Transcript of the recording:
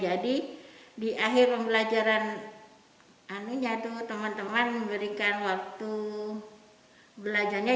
jadi di akhir pembelajaran teman teman memberikan waktu belajarnya